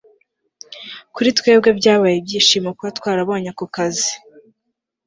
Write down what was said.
kuri twebwe byabaye ibyishimo kuba twarabonye ako kazi